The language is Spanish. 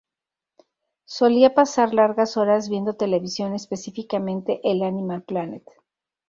Solía pasar largas horas viendo televisión, específicamente el Animal Planet.